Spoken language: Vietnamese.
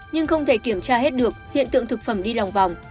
nhưng không thể kiểm tra hết được hiện tượng thực phẩm đi lòng vòng